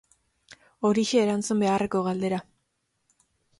Horixe erantzun beharreko galdera.